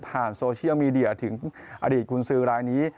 โซเชียลมีเดียถึงอดีตกุญสือรายนี้